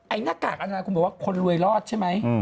หน้ากากอนามคุณบอกว่าคนรวยรอดใช่ไหม